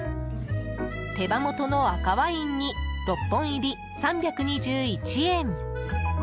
手羽元の赤ワイン煮６本入り３２１円。